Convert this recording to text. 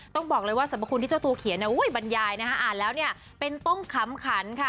ต้องบอกเลยว่าสรรพคุณที่เจ้าตัวเขียนบรรยายนะคะอ่านแล้วเนี่ยเป็นต้องขำขันค่ะ